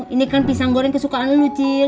ini kan pisang goreng kesukaan elu cil